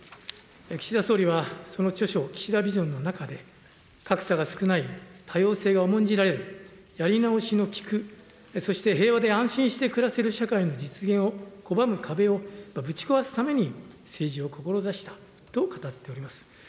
岸田総理はその著書、岸田ビジョンの中で、格差が少ない、多様性を重んじられる、やり直しの利く、そして平和で安心して暮らせる社会の実現を拒む壁をぶち壊すために、政治を志したと語っております。